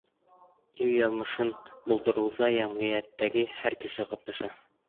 Ил яҙмышын булдырыуҙа йәмғиәттәге һәр кеше ҡатнаша.